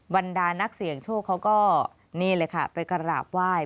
บรรดานักเสี่ยงโชคเขาก็นี่เลยค่ะไปกราบไหว้